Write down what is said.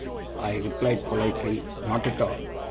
I replied politely: 'Not at all.